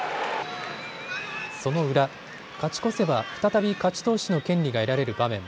その裏、勝ち越せば再び勝ち投手の権利が得られる場面。